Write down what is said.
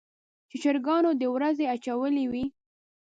چې چرګانو د ورځې اچولې وي.